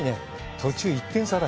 途中１点差だ。